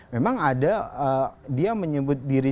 memang ada dia menyebut diri